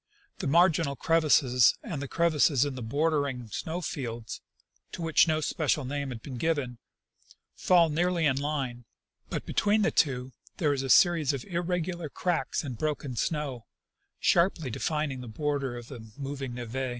The marginal crevasses and the crevasses in the border ing snow fields, to which no special name has been given, fall nearly in line ; but between the two there is a series of irregular cracks and broken snow, sharply defining the border of the moving n6ve.